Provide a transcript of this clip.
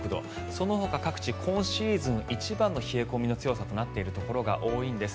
そのほか各地今シーズン一番の冷え込みの強さとなっているところが多いんです。